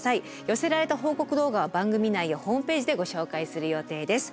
寄せられた報告動画は番組内やホームページでご紹介する予定です。